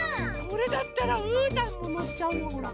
これだったらうーたんものっちゃうよ。